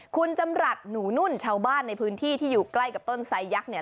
คุณจำรัฐหนูนุ่นชาวบ้านในพื้นที่ที่อยู่ใกล้กับต้นไซยักษ์เนี่ย